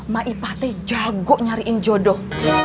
maipah teh jago nyariin jodoh